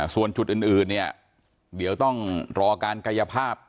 ส่วนจุดอื่นเนี่ยเดี๋ยวต้องรอการกายภาพ